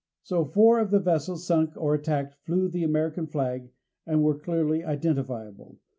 So four of the vessels sunk or attacked flew the American flag and were clearly identifiable.